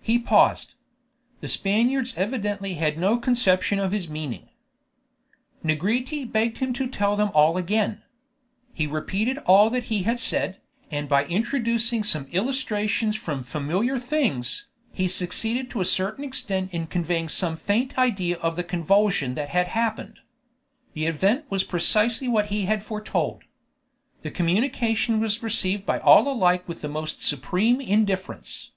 He paused. The Spaniards evidently had no conception of his meaning. Negrete begged him to tell them all again. He repeated all that he had said, and by introducing some illustrations from familiar things, he succeeded to a certain extent in conveying some faint idea of the convulsion that had happened. The event was precisely what he had foretold. The communication was received by all alike with the most supreme indifference.